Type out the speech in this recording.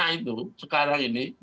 karena itu sekarang ini